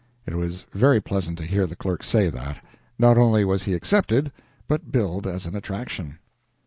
It was very pleasant to hear the clerk say that. Not only was he accepted, but billed as an attraction.